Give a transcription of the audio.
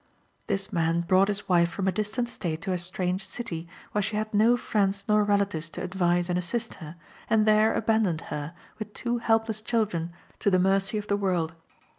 This man brought his wife from a distant state to a strange city, where she had no friends nor relatives to advise and assist her, and there abandoned her, with two helpless children, to the mercy of the world.